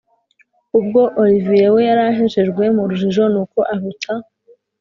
ubwo olivier we yari ahejejwe murujijo nuko ahuta